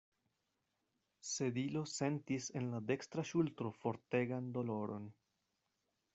Sedilo sentis en la dekstra ŝultro fortegan doloron.